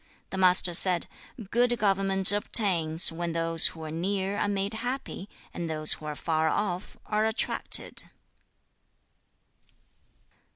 2. The Master said, 'Good government obtains, when those who are near are made happy, and those who are far off are attracted.'